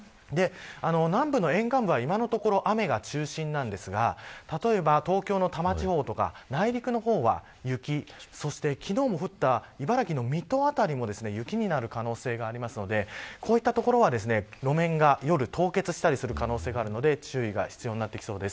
南部の沿岸部は今のところ雨が中心なんですが例えば東京の多摩地方とか内陸の方は雪、そして昨日も降った水戸辺りも雪になる可能性がありますのでこういった所は路面が夜、凍結したりする可能性があるので注意が必要です。